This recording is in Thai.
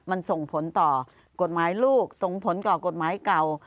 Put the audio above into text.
มันส่งผลต่อกฎหมายลูกส่งผลต่อกฎหมายเก่า